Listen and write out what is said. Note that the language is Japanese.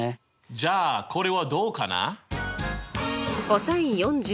じゃあこれはどうかな？